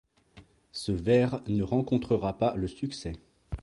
Ce verre ne rencontrera pas le succès.